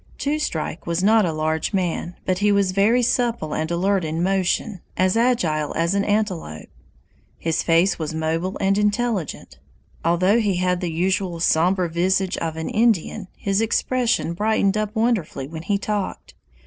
Two Strike was not a large man, but he was very supple and alert in motion, as agile as an antelope. His face was mobile and intelligent. Although he had the usual somber visage of an Indian, his expression brightened up wonderfully when he talked.